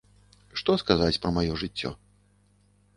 Што сказаць пра маё жыццё?